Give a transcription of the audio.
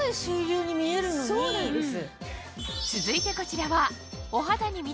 そうなんです！